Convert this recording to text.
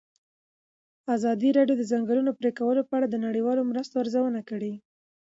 ازادي راډیو د د ځنګلونو پرېکول په اړه د نړیوالو مرستو ارزونه کړې.